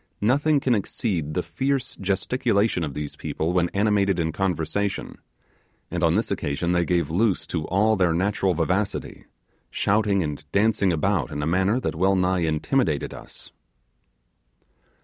Nothing can exceed the fierce gesticulation of these people when animated in conversation, and on this occasion they gave loose to all their natural vivacity, shouting and dancing about in a manner that well nigh intimidated us.